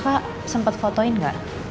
atau kakak sempet fotoin gak